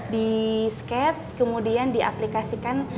di sketch kemudian diaplikasikan